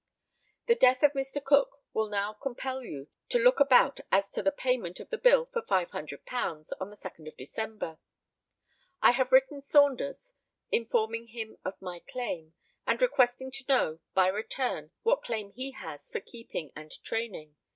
"The death of Mr. Cook will now compel you to look about as to the payment of the bill for £500, on the 2nd of December. "I have written Saunders, informing him of my claim, and requesting to know, by return, what claim he has for keep and training.